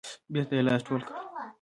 بیرته یې لاس ټول کړ.